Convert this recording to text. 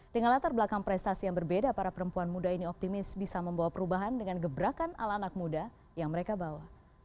dengan latar belakang prestasi yang berbeda para perempuan muda ini optimis bisa membawa perubahan dengan gebrakan ala anak muda yang mereka bawa